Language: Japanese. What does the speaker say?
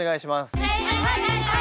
はい！